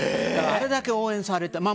あれだけ応援されて。